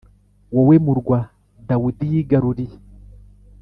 Wowe murwa Dawudi yigaruriye!